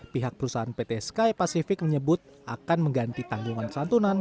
pihak perusahaan pt sky pacific menyebut akan mengganti tanggungan santunan